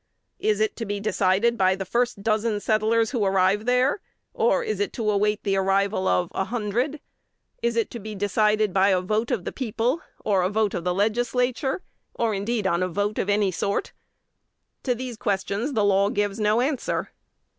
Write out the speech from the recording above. Is it to be decided by the first dozen settlers who arrive there, or is it to await the arrival of a hundred? Is it to be decided by a vote of the people, or a vote of the Legislature, or, indeed, on a vote of any sort? To these questions the law gives no answer.